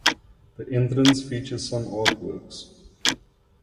The entrance features some artworks.